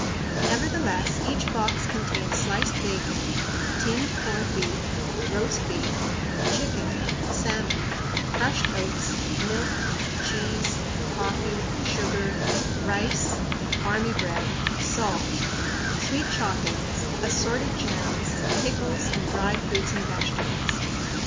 Nevertheless each box contained sliced bacon, tinned corned beef, roast beef, chicken, salmon, crushed oats, milk, cheese, coffee, sugar, rice, army bread, salt, sweet chocolates, assorted jams, pickles, and dried fruits and vegetables.